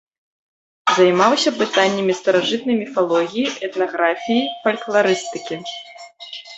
Займаўся пытаннямі старажытнай міфалогіі, этнаграфіі, фалькларыстыкі.